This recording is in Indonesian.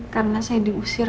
karena saya diusir